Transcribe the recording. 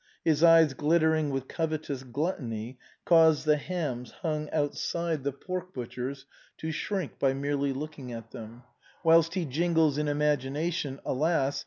His eyes glittering with covetous gluttony cause the hams hung outside the pork butcher's to shrink by merely looking at them, whilst he jingles in imagination — alas